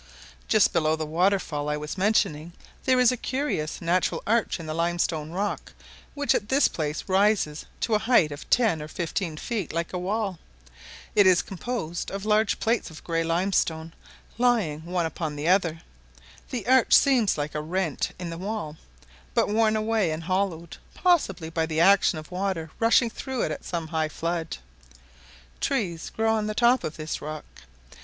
[Maps: Charts shewing the Interior Navigation of the District of Newcastle and Upper Canada.] Just below the waterfall I was mentioning there is a curious natural arch in the limestone rock, which at this place rises to a height of ten or fifteen feet like a wall; it is composed of large plates of grey limestone, lying one upon the other; the arch seems like a rent in the wall, but worn away, and hollowed, possibly, by the action of water rushing through it at some high flood. Trees grow on the top of this rock.